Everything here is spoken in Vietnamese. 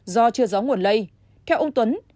do chưa rõ nguồn lây theo ông tuấn